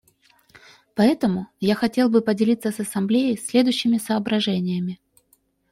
Поэтому я хотел бы поделиться с Ассамблеей следующими соображениями.